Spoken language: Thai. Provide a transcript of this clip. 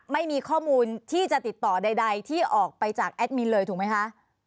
ไม่มีข้อมูลที่จะติดต่อใดที่ออกไปจากแอดมินเลยถูกไหมคะ